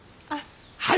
はい！